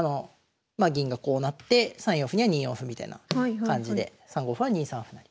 銀がこうなって３四歩には２四歩みたいな感じで３五歩は２三歩成。